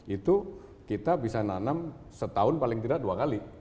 itu kita bisa nanam setahun paling tidak dua kali